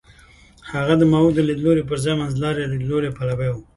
هغه د ماوو د لیدلوري پر ځای منځلاري لیدلوري پلوی و.